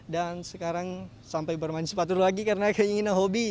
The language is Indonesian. dan sekarang sampai bermain sepatu lagi karena ingin hobi